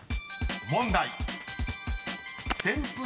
［問題］